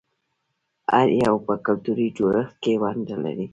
هر یو په کلتوري جوړښت کې ونډه لري.